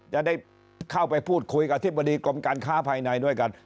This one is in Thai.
จะได้เข้าไปพูดคุยกับอธิบดีกรมการค้าภายในด้วยกัน